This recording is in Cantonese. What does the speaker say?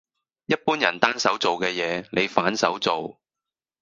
一般人單手做嘅嘢，你反手做